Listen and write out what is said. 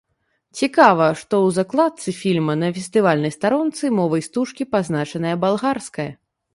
Цікава, што ў закладцы фільма на фестывальнай старонцы мовай стужкі пазначаная балгарская.